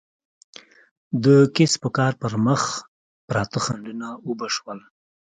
د کسب و کار پر مخ پراته خنډونه اوبه شول.